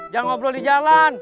jangan ngobrol di jalan